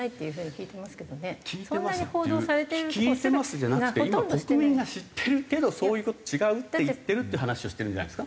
「聞いてます」っていう「聞いてます」じゃなくて今国民が知ってるけどそういう事とは違うって言ってるって話をしてるんじゃないですか？